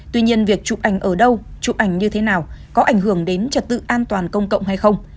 tuy nhiên việc chụp ảnh ở đâu chụp ảnh như thế nào có ảnh hưởng đến trật tự an toàn công cộng hay không